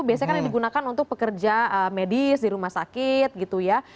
biasanya kan yang digunakan untuk pekerja medis di rumah sakit gitu ya